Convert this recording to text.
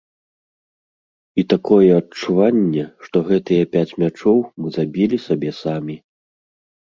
І такое адчуванне, што гэтыя пяць мячоў мы забілі сабе самі.